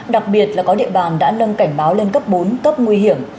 đặc biệt là có địa bàn đã nâng cảnh báo lên cấp bốn cấp nguy hiểm